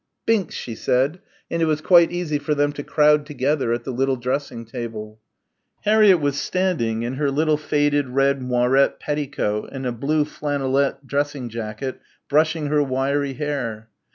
"Binks," she said, and it was quite easy for them to crowd together at the little dressing table. Harriett was standing in her little faded red moirette petticoat and a blue flannelette dressing jacket brushing her wiry hair.